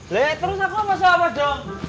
lihat terus aku masa apa dong